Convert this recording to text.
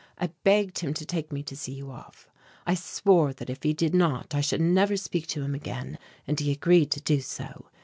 I begged him to take me to see you off. I swore that if he did not I should never speak to him again, and he agreed to do so.